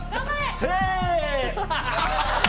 せー。